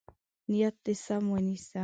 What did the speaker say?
نیت دې سم ونیسه.